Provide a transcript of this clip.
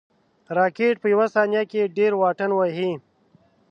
راکټ په یو ثانیه کې ډېر واټن وهي